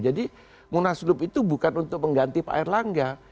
jadi munaslup itu bukan untuk mengganti pak erlangga